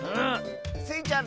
スイちゃん